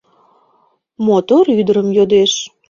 Мотор ӱдырым йодеш.